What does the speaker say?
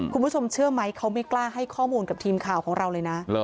คุณผู้ชมเชื่อไหมเขาไม่กล้าให้ข้อมูลกับทีมข่าวของเราเลยนะ